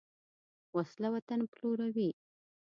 وسله وطن پلوروي